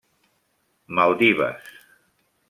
Maldives.